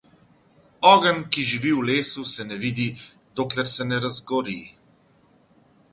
Ogenj, ki živi v lesu, se ne vidi, dokler se ne razgori.